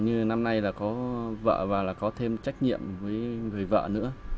như năm nay là có vợ và là có thêm trách nhiệm với người vợ nữa